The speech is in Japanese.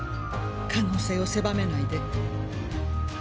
可能性を狭めないで。